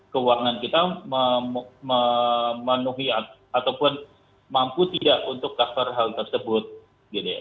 keuangan kita memenuhi ataupun mampu tidak untuk cover hal tersebut gitu ya